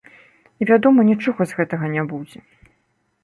І, вядома, нічога з гэтага не будзе.